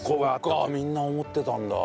そっかみんな思ってたんだ。